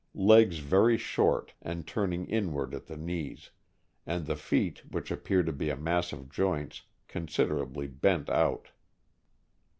Legs very short, and turning inward at the knees; and the feet, which appear to be a mass of joints, considerably bent out.